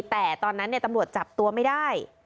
แต่ตอนนั้นตำรวจจับตัวไม่ได้